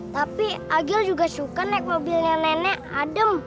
tapi agil juga suka naik mobilnya nenek adem